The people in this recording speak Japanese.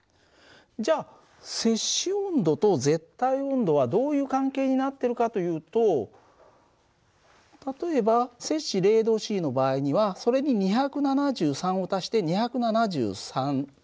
じゃあセ氏温度と絶対温度はどういう関係になってるかというと例えばセ氏０℃の場合にはそれに２７３を足して２７３Ｋ。